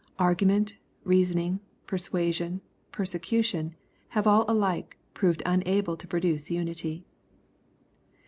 Argument, reasoning, persuasion, persecution, have all alike proved unable to produce unity.